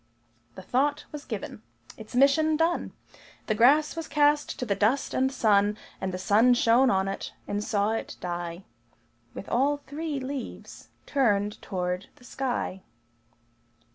The thought was given. Its mission done, The grass was cast to the dust and sun; And the sun shone on it, and saw it die With all three leaves turned toward the sky.